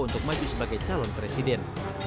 untuk maju sebagai calon presiden